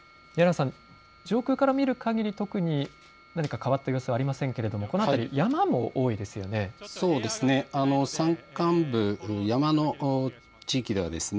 上空から見るかぎり特に何か変わった様子はありませんけれども、山も多いですよね。